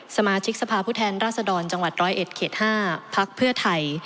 สมาชิกสภาพผู้แทนราชดรจังหวัด๑๐๑เขต๕พักเพื่อไทย